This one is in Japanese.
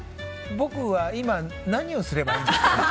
僕は今、何をすればいいんですか？